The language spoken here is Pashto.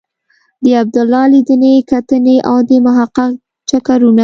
د عبدالله لیدنې کتنې او د محقق چکرونه.